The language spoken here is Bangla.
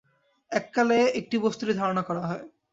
এক-কালে একটি বস্তুরই ধারণা হয়।